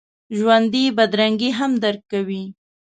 ژوندي بدرنګي هم درک کوي